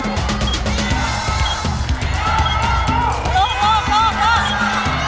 เยี่ยมคุณครับ